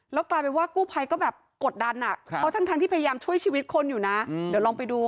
แล้วกลายเป็นว่ากู้ภัยก็แบบกดดันเพราะทั้งที่พยายามช่วยชีวิตคนอยู่นะเดี๋ยวลองไปดูค่ะ